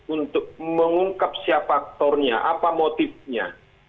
untuk mengungkap siapa aktornya apa motifnya